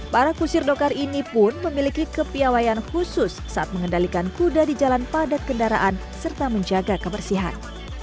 para kusir dokar ini pun memiliki kepiawaian khusus saat mengendalikan kuda di jalan padat kendaraan serta menjaga kebersihan